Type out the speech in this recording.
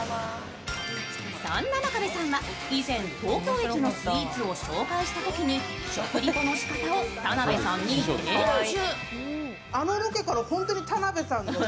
そんな真壁さんが以前、東京駅のスイーツを紹介したときに食リポのしかたを田辺さんに伝授。